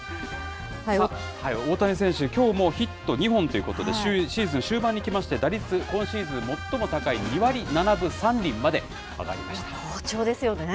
大谷選手、きょうもヒット２本ということで、シーズン終盤にきまして、打率、今シーズン最も高い、好調ですよね。